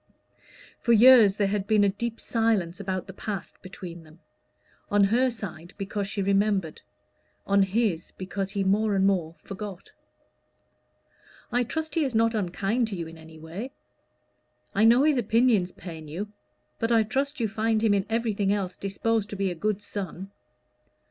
For years there had been a deep silence about the past between them; on her side because she remembered; on his, because he more and more forgot. "I trust he is not unkind to you in any way. I know his opinions pain you; but I trust you find him in everything else disposed to be a good son."